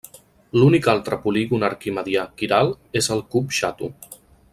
L'únic altre polígon arquimedià quiral és el cub xato.